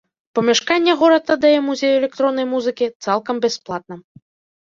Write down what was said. Памяшканне горад аддае музею электроннай музыкі цалкам бясплатна.